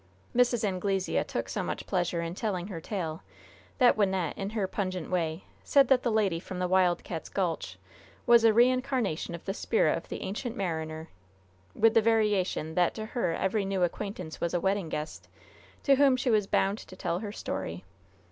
Mrs. Anglesea took so much pleasure in telling her tale that Wynnette, in her pungent way, said that the lady from the Wild Cats' Gulch was a reincarnation of the spirit of the Ancient Mariner, with the variation that to her every new acquaintance was a "wedding guest," to whom she was bound to tell her story.